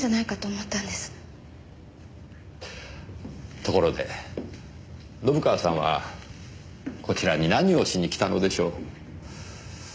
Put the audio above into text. ところで信川さんはこちらに何をしに来たのでしょう？